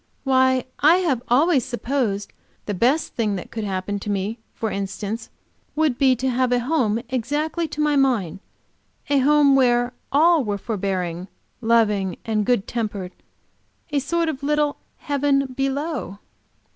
Why I have always supposed the best thing that could happen to me, instance, would be to have a home exactly to my mind; a home where all were forbearing, loving and good tempered, a sort of little heaven below."